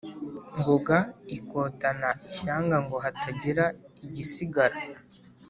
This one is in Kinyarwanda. Ngoga ikotana ishyanga ngo hatagira igisigara,